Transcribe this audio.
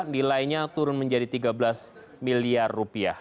nilainya turun menjadi rp tiga belas miliar